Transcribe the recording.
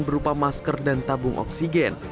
berupa masker dan tabung oksigen